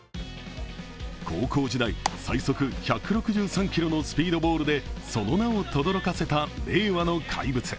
高校時代最速１６３キロのスピードボールでその名をとどろかせた令和の怪物。